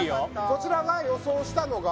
こちらが予想したのが？